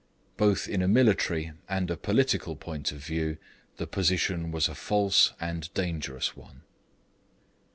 Both in a military and a political point of view the position was a false and dangerous one.